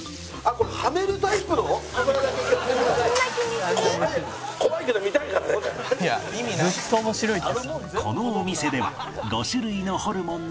このお店では５種類のホルモンの上に